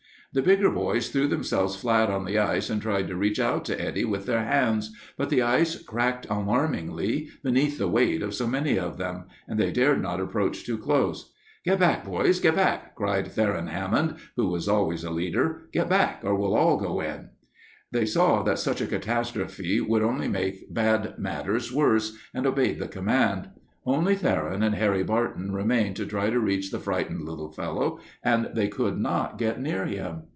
The bigger boys threw themselves flat on the ice and tried to reach out to Eddie with their hands, but the ice cracked alarmingly beneath the weight of so many of them, and they dared not approach too close. "Get back, boys, get back!" cried Theron Hammond, who was always a leader. "Get back, or we'll all go in." They saw that such a catastrophe would only make bad matters worse and obeyed the command. Only Theron and Harry Barton remained to try to reach the frightened little fellow, and they could not get near him.